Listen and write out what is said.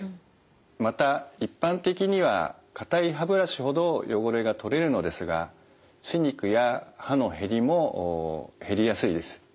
また一般的には硬い歯ブラシほど汚れが取れるのですが歯肉や歯の減りも減りやすいです。